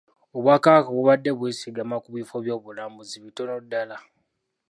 Obwakabaka bubadde bwesigama ku bifo by'obulambuzi bitono ddala.